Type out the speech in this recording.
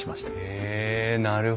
へえなるほど。